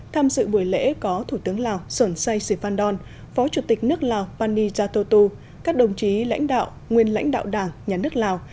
tham sự buổi lễ có thủ tướng lào xuân xây sì phan đôn phó chủ tịch nước lào phan nhi gia tô tu các đồng chí lãnh đạo nguyên lãnh đạo đảng nhà nước lào